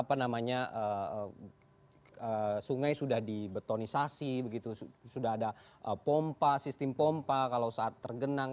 apa namanya sungai sudah dibetonisasi begitu sudah ada pompa sistem pompa kalau saat tergenang